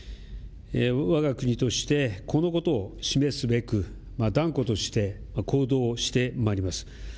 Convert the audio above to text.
わが国としてこのことを示すべく断固として行動してまいります。